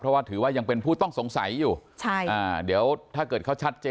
เพราะว่าถือว่ายังเป็นผู้ต้องสงสัยอยู่ใช่อ่าเดี๋ยวถ้าเกิดเขาชัดเจน